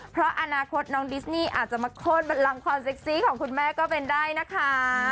เพราะอนาคตน้องดิสนี่อาจจะมาโคตรบันลังความเซ็กซี่ของคุณแม่ก็เป็นได้นะคะ